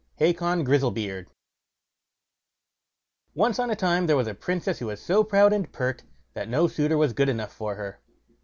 HACON GRIZZLEBEARD Once on a time there was a princess who was so proud and pert that no suitor was good enough for her.